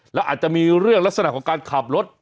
แล้วอาจจะมีเรื่องลักษณะของการขับรถ